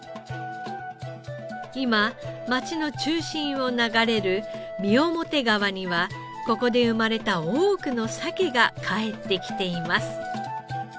今町の中心を流れる三面川にはここで生まれた多くのサケが帰ってきています。